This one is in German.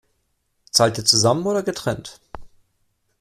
Zahlt ihr zusammen oder getrennt?